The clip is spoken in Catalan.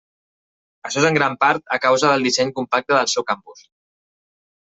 Això és en gran part a causa del disseny compacte del seu campus.